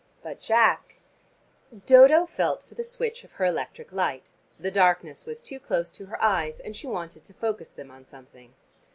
But Jack Dodo felt for the switch of her electric light: the darkness was too close to her eyes, and she wanted to focus them on something.